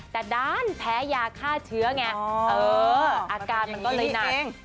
แต่ด้านแพ้ยาฆ่าเชื้อไงเอออาการมันก็เลยหนัก